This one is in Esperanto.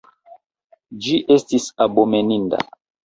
Ĝi estis abomeninda.